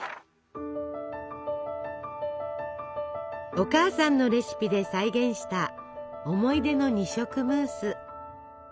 お母さんのレシピで再現した思い出の二色ムース。